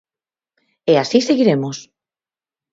E así seguiremos.